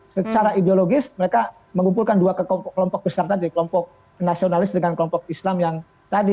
secara ideologis mereka mengumpulkan dua kelompok besar tadi kelompok nasionalis dengan kelompok islam yang tadi